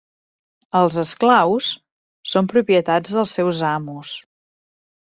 Els esclaus són propietats dels seus amos.